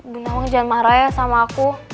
bu nawang jangan marah ya sama aku